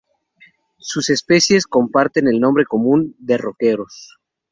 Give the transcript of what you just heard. Sus especies comparten el nombre común de roqueros.